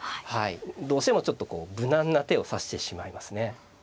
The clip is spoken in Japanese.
どうしてもちょっとこう無難な手を指してしまいますね。